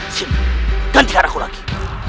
sini ganti karaku lagi